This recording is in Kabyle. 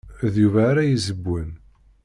D Yuba ara yessewwen.